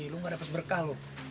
lu gak dapat berkah lo